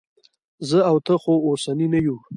زه او ته خو اوسني نه یو.